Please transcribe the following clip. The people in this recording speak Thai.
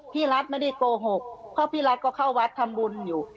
พี่รัฐไม่ได้โกหกเพราะพี่รัฐก็เข้าวัดทำบุญอยู่